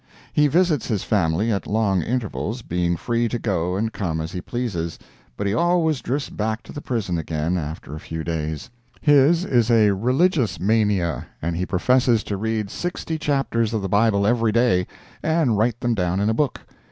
He visits his family at long intervals—being free to go and come as he pleases—but he always drifts back to the prison again after a few days. His is a religious mania, and he professes to read sixty chapters of the Bible every day, and write them down in a book.